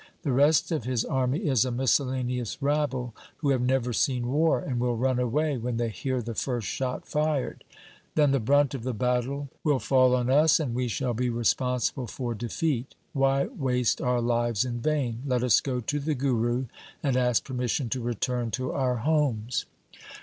The rest of his army is a miscellaneous rabble who have never seen war, and will run away when they hear the first shot fired. Then the brunt of the battle will fall on us, and we shall be responsible for defeat. Why waste our lives in vain ? Let us go to the Guru and ask permission to return to our homes.'